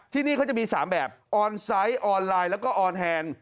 ที่นี่เขาจะมี๓แบบออนไซต์ออนไลน์แล้วก็ออนแฮนด์